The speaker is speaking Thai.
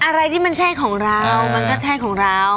อะไรที่มันใช่ของเรามันก็ใช่ของเรา